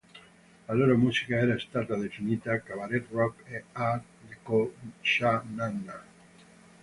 La loro musica era stata definita "Cabaret Rock" e "Art Deco Sha Na Na".